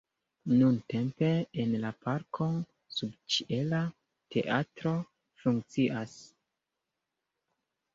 Nuntempe en la parko subĉiela teatro funkcias.